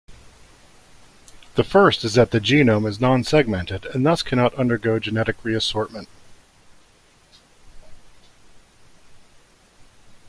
The first is that the genome is non-segmented and thus cannot undergo genetic reassortment.